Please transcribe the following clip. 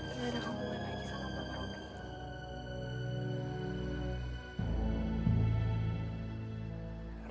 gak ada hubungan lagi sama bapak robert